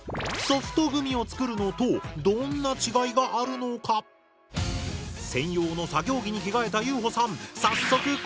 ソフトグミを作るのとどんな違いがあるのか⁉専用の作業着に着替えたゆうほさん